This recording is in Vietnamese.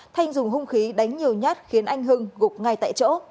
thanh dùng hung khí đánh nhiều nhát khiến anh hưng gục ngay tại chỗ